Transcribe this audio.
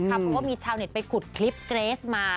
เพราะว่ามีชาวเน็ตไปขุดคลิปเกรสมา